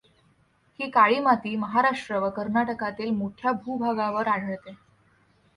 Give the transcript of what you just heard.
ही काळी माती महाराष्ट्र व कर्नाटकातील मोठ्या भूभागावर आढळते.